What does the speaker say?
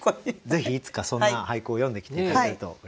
ぜひいつかそんな俳句を詠んできて頂けるとうれしいです。